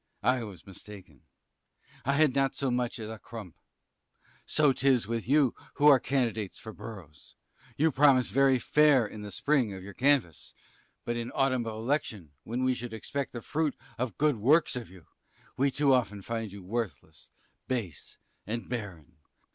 I was mistaken; I had not so much as a crump. So 'tis with you who are candidates for boroughs, you promise very fair in the spring of your canvass, but in autumn of election, when we should expect the fruit of good works of you, we too often find you worthless, base, and barren.